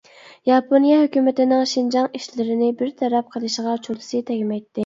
ياپونىيە ھۆكۈمىتىنىڭ شىنجاڭ ئىشلىرىنى بىر تەرەپ قىلىشىغا چولىسى تەگمەيتتى.